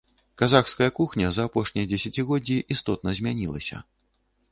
Казахская кухня за апошнія дзесяцігоддзі істотна змянілася.